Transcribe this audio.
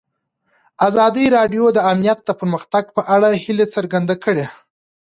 ازادي راډیو د امنیت د پرمختګ په اړه هیله څرګنده کړې.